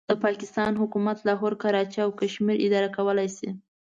د پاکستان حکومت لاهور، کراچۍ او کشمیر اداره کولای شي.